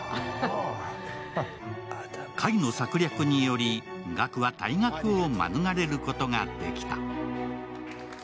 海の策略により岳は退学を免れることができた。